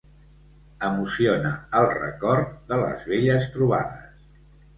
Emociona el record de les velles trobades.